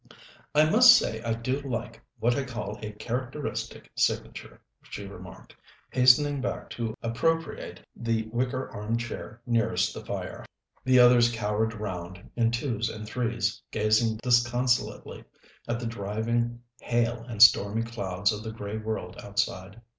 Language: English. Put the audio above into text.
"I must say I do like what I call a characteristic signature," she remarked, hastening back to appropriate the wicker arm chair nearest the fire. The others cowered round, in twos and threes, gazing disconsolately at the driving hail and stormy clouds of the grey world outside.